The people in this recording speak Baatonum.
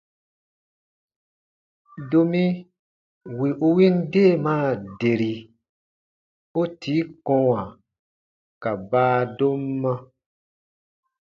Domi wì u win deemaa deri, u tii kɔ̃wa ka baadomma.